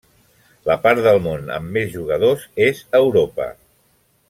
La part del món amb més jugadors és Europa.